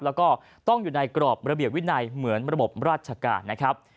แล้วก็ต้องอยู่ในกรอบระเบียบวินัยเหมือนระบบราชการนะครับ